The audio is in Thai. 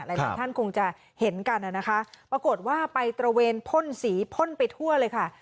หลายท่านคงจะเห็นกันนะคะปรากฏว่าไปตระเวนพ่นสีพ่นไปทั่วเลยค่ะ